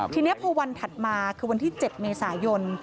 ทีนี้พอวันถัดมาคือวันที่๗เมษายน